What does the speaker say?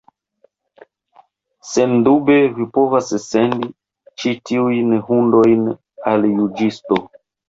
Sendube, vi povas sendi ĉi tiujn hundojn al juĝisto.